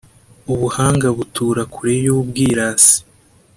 Ubuhanga butura kure y’ubwirasi,